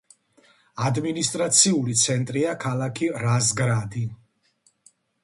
ადმინისტრაციული ცენტრია ქალაქი რაზგრადი.